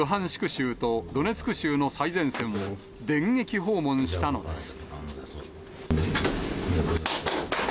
州とドネツク州の最前線を電撃訪問したのです。